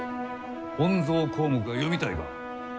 「本草綱目」が読みたいか？